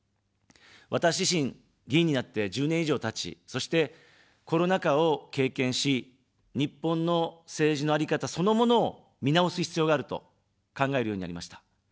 私自身、議員になって１０年以上たち、そして、コロナ禍を経験し、日本の政治のあり方そのものを見直す必要があると考えるようになりました。